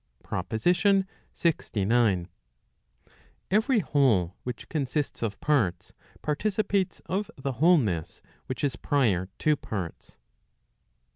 PROPOSITION LXIX. Every whole which consists of parts, participates of the wholeness which is prior to parts.